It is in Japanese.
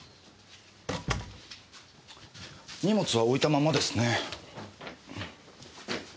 荷物は置いたままですね。